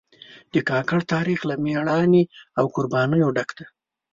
د کاکړ تاریخ له مېړانې او قربانیو ډک دی.